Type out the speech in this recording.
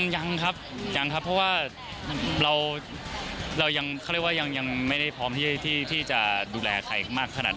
ยังครับเพราะว่าเรายังไม่ได้พร้อมที่จะดูแลใครมากขนาด